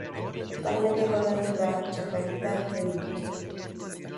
Actualmente juega en Chacarita Juniors.